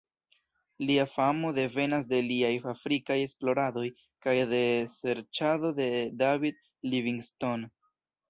Lia famo devenas de liaj afrikaj esploradoj kaj de serĉado de David Livingstone.